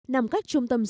nằm cách trung tâm xã hội